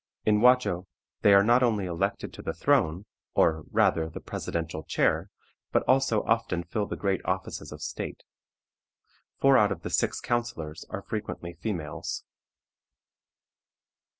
In Wajo, they are not only elected to the throne, or, rather, the presidential chair, but also often fill the great offices of state. Four out of the six councilors are frequently females.